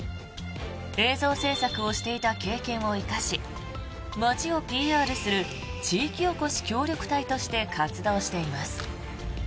映像制作をしていた経験を生かし町をＰＲする地域おこし協力隊として活動しています。